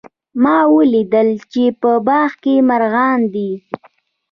ما ولیدل چې په باغ کې مرغان دي